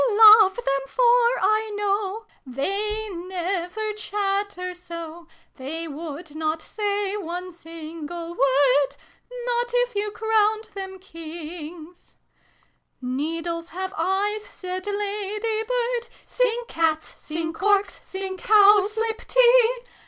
/ love them, for I knoiv They never chatter so : They would not say one single word Not if you crowned them Kings !' BRUNO'S LESSONS. "' Needles Jiave eyes,' said Lady Bird Sing Cats, sing Corks, sing Cowslip tea!